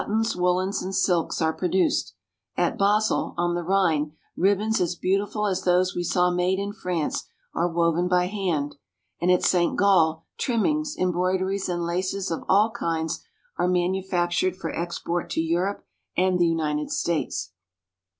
tons, woolens, and silks are produced; at Basel, on the Rhine, ribbons as beautiful as those we saw made in France are woven by hand, and at St. Gall trimmings, em broideries, and laces of all kinds are manufactured for export to Europe and the United States.